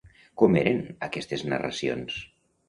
Com eren aquestes narracions?